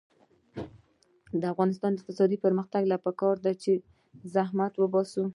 د افغانستان د اقتصادي پرمختګ لپاره پکار ده چې زحمت وباسو.